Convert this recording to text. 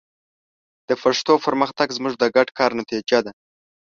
د پښتو پرمختګ زموږ د ګډ کار نتیجه ده.